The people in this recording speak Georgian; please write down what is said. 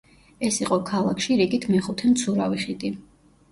ეს იყო ქალაქში რიგით მეხუთე მცურავი ხიდი.